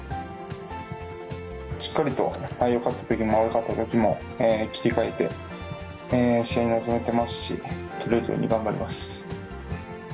しっかりと、よかったときも悪かったときも、切り替えて、試合に臨めてますし、取れるように頑張ります。